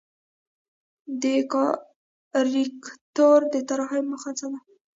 د کاریکاتور د طراحۍ موخه څه ده؟